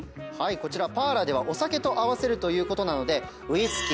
こちら「ＰＡＲＬＡ」ではお酒と合わせるということなのでウイスキー。